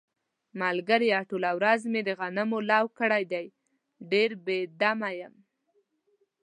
ملگریه ټوله ورځ مې د غنمو لو کړی دی، ډېر بې دمه یم.